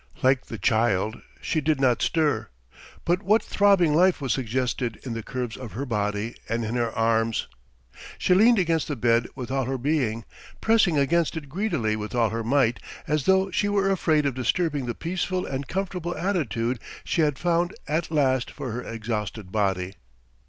Like the child, she did not stir; but what throbbing life was suggested in the curves of her body and in her arms! She leaned against the bed with all her being, pressing against it greedily with all her might, as though she were afraid of disturbing the peaceful and comfortable attitude she had found at last for her exhausted body.